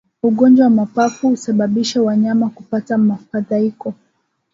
Ugonjwa wa mapafu husababisha wanyama kupata mfadhaiko